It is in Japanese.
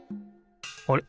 あれ？